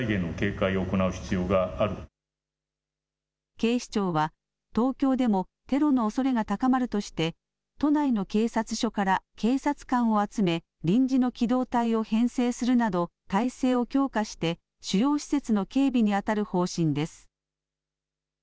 警視庁は、東京でもテロのおそれが高まるとして、都内の警察署から警察官を集め、臨時の機動隊を編成するなど、態勢を強化して、主要施設の警備に当たる方針です。